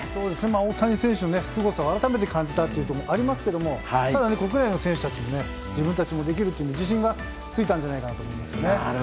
大谷選手のすごさを改めて感じたというところもありますけどもただ、国内の選手たちも自分たちもできるってことで自信がついたんじゃないかと思いますね。